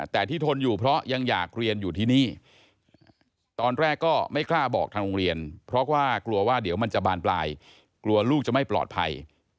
แต่ที่ทนอยู่เพราะยังอยากเรียนอยู่ที่นี่ตอนแรกก็ไม่กล้าบอกทางโรงเรียนเพราะว่ากลัวว่าเดี๋ยวมันจะบานปลายกลัวลูกจะไม่ปลอดภัย